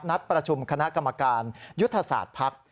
นัดประชุมคณะกรรมการยุทธศาสตร์ภักดิ์